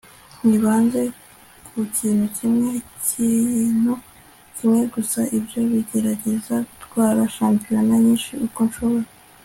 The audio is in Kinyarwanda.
nibanze ku kintu kimwe n'ikintu kimwe gusa - ibyo biragerageza gutwara shampiyona nyinshi uko nshoboye